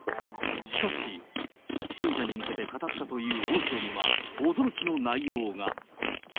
しかし、信者に向けて語ったという音声には、驚きの内容が。